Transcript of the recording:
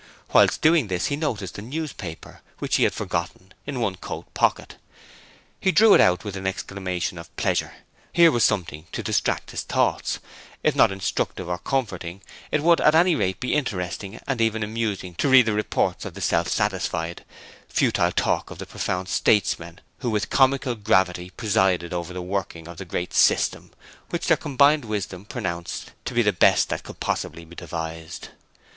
Whilst doing this he noticed the newspaper, which he had forgotten, in the coat pocket. He drew it out with an exclamation of pleasure. Here was something to distract his thoughts: if not instructive or comforting, it would at any rate be interesting and even amusing to read the reports of the self satisfied, futile talk of the profound statesmen who with comical gravity presided over the working of the Great System which their combined wisdom pronounced to be the best that could possibly be devised.